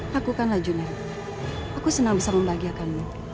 lakukanlah junel aku senang bisa membagiakanmu